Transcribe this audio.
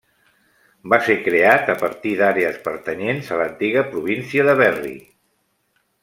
Va ser creat a partir d'àrees pertanyents a l'antiga província de Berry.